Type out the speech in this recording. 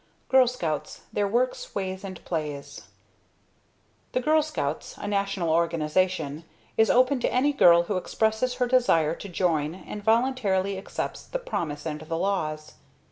GIRL SCOUTS Their Works, Ways and Plays The Girl Scouts, a National organization, is open to any girl who expresses her desire to join and voluntarily accepts the Promise and the Laws.